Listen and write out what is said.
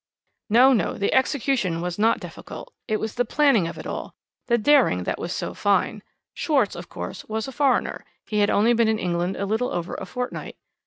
"No, no, the execution was not difficult; it was the planning of it all, the daring that was so fine. Schwarz, of course, was a foreigner; he had only been in England a little over a fortnight.